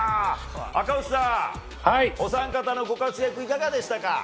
赤星さん、お三方のご活躍いかがでしたか。